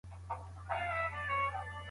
په شریعت کي دوه صورته ذکر سوي دي.